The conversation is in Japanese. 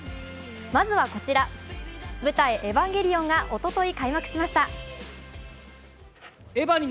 まずはこちら、「舞台・エヴァンゲリオン」がおととい、開幕しました。